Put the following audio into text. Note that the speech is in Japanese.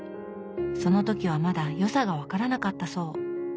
その時はまだ良さが分からなかったそう。